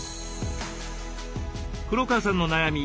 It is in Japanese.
黒川さんの悩み